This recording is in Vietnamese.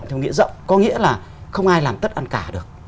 theo nghĩa rộng có nghĩa là không ai làm tất ăn cả được